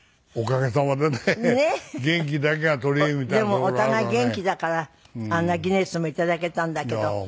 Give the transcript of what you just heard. でもお互い元気だからあんなギネスも頂けたんだけど。